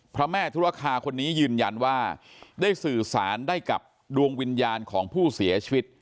พระแม่ธุรคาคนนี้ยืนยันว่าได้สื่อสารได้กับดวงวิญญาณของผู้เสียชีวิต